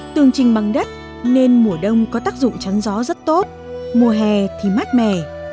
tường trình bằng đất nên mùa đông có tác dụng chắn gió rất tốt mùa hè thì mát mẻ